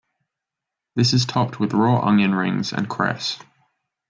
This is topped with raw onion rings and cress.